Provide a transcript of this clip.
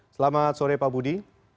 selamat sore pak budi